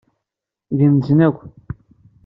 Gennzen akk.